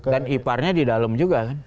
dan ipar nya di dalam juga kan